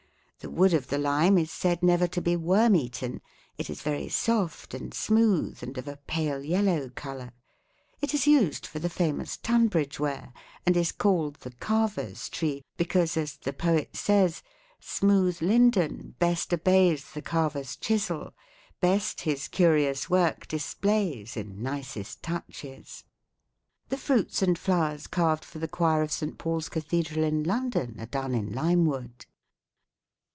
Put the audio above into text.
The wood of the lime is said never to be worm eaten; it is very soft and smooth and of a pale yellow color. It is used for the famous Tunbridge ware, and is called the carver's tree, because, as the poet says, "'Smooth linden best obeys The carver's chisel best his curious work Displays in nicest touches.' "The fruits and flowers carved for the choir of St. Paul's cathedral in London are done in lime wood.